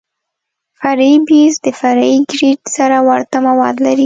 فرعي بیس د فرعي ګریډ سره ورته مواد لري